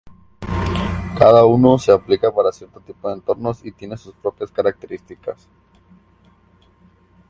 Cada uno se aplica para cierto tipo de entornos y tienen sus propias características.